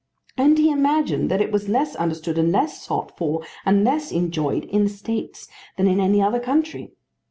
And he imagined that it was less understood and less sought for and less enjoyed in the States than in any other country.